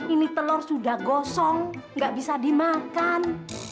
ini telur sudah gosong nggak bisa dimakan